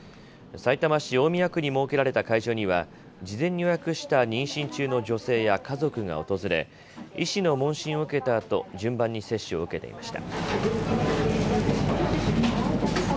さいたま市大宮区に設けられた会場には、事前に予約した妊娠中の女性や家族が訪れ、医師の問診を受けたあと、順番に接種を受けていました。